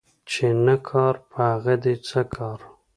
چي نه کار په هغه دي څه کار